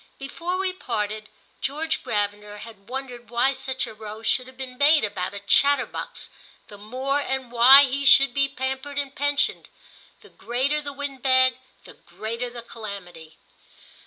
Before we parted George Gravener had wondered why such a row should be made about a chatterbox the more and why he should be pampered and pensioned. The greater the wind bag the greater the calamity.